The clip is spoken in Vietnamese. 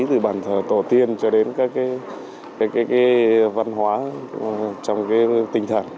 từ bản thờ tổ tiên cho đến các cái văn hóa trong cái tinh thần